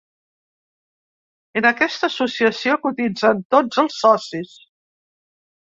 En aquesta associació cotitzen tots els socis.